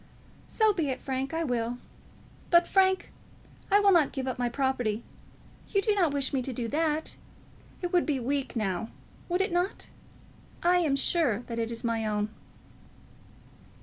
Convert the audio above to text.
"So be it, Frank. I will. But, Frank, I will not give up my property. You do not wish me to do that. It would be weak, now; would it not? I am sure that it is my own."